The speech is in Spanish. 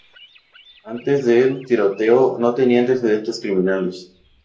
Antes del tiroteo no tenía antecedentes criminales.